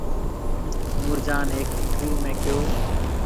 نور جهان هيڪ انٽرويو ۾ ڪهيو